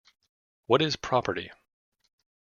What Is Property?